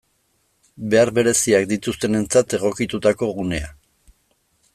Behar bereziak dituztenentzat egokitutako gunea.